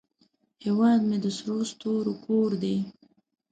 هیواد مې د سرو ستورو کور دی